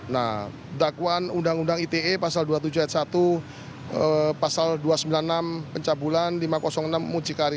nah dakwaan undang undang ite pasal dua puluh tujuh ayat satu pasal dua ratus sembilan puluh enam pencabulan lima ratus enam mucikari